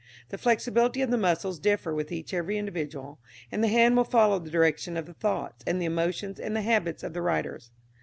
The flexibility of the muscles differs with every individual, and the hand will follow the direction of the thoughts, and the emotions and the habits of the writers.